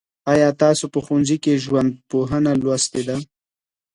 آیا تاسو په ښوونځي کي ژوندپوهنه لوستې ده؟